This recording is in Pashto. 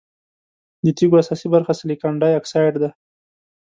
د تیږو اساسي برخه سلیکان ډای اکسايډ ده.